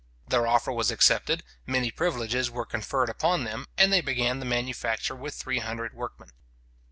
} Their offer was accepted, many privileges were conferred upon them, and they began the manufacture with three hundred workmen.